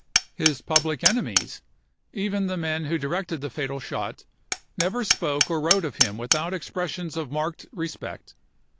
His public enemies, even the men who directed the fatal shot, never spoke or wrote of him without expressions of marked re spect.